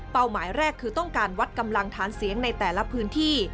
หมายแรกคือต้องการวัดกำลังฐานเสียงในแต่ละพื้นที่